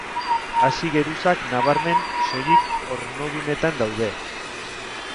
Hazi geruzak, nabarmen, soilik ornodunetan daude.